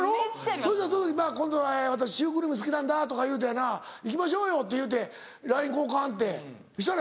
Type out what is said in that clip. そしたら今度「私シュークリーム好きなんだ」とか言うてやな行きましょうよって言うてＬＩＮＥ交換ってしたら。